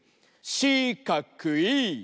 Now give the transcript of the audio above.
しかくい！